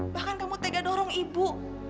bahkan kamu tega dorong ibu